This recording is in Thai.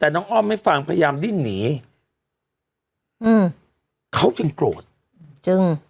แต่น้องอ้อมไม่ฟังพยายามดิ้นหนีอืมเขาจึงโกรธจึง